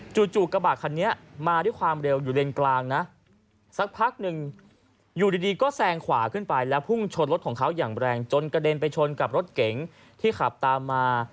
จู่กระบะคันนี้มาด้วยความเร็วอยู่เลนกลางนะสักพักหนึ่งอยู่ดีก็แซงขวาขึ้นไปแล้วพุ่งชนรถของเขาอย่างแรงจนกระเด็นไปชนกับรถเก๋งที่ขับตามมา